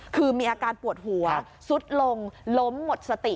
คือมีอาการปวดหัวซุดลงล้มหมดสติ